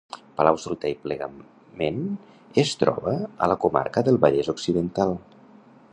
Palau-solità i Plegament es troba a la comarca del Vallès Occidental.